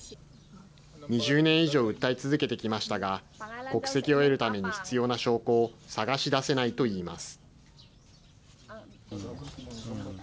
２０年以上訴え続けてきましたが、国籍を得るために必要な証拠を探し出せないといいます。